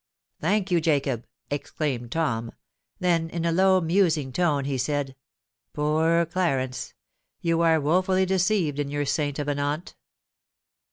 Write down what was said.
"Thank you, Jacob," exclaimed Tom: then, in a low, musing tone, he said, "Poor Clarence! you are woefully deceived in your saint of an aunt!"